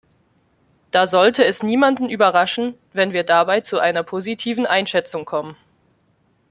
Da sollte es niemanden überraschen, wenn wir dabei zu einer positiven Einschätzung kommen.